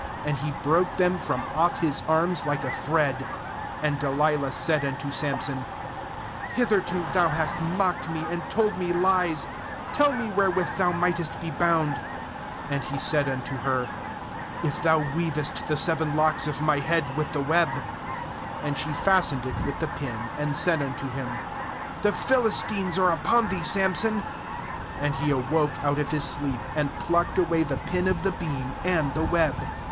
And he broke them from off his arms like a thread. 13And Delilah said unto Samson: 'Hitherto thou hast mocked me, and told me lies; tell me wherewith thou mightest be bound/ And he said unto her: 'If thou weavest the seven locks of my head ^with the web/ 14And she fastened it with the pin, and said unto him: 'The Philistines are upon thee, Samson/ And he awoke out of his sleep, and plucked away the pin of the beam, and the web.